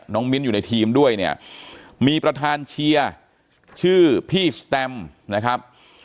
มิ้นอยู่ในทีมด้วยเนี่ยมีประธานเชียร์ชื่อพี่สแตมนะครับ